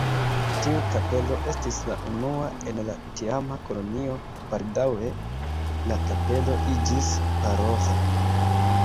Tiu kapelo estis la unua en la tiama kolonio, baldaŭe la kapelo iĝis paroĥo.